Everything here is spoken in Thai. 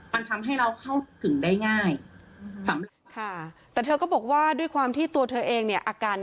มันทำให้เราเข้าถึงได้ง่าย